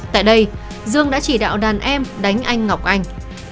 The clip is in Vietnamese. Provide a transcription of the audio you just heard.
tại đây dương đã chỉ đạo đàn em đánh anh ngọc anh